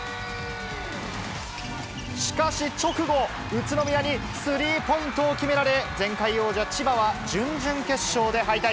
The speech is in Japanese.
しかし、直後、宇都宮にスリーポイントを決められ、前回王者、千葉が準々決勝で敗退。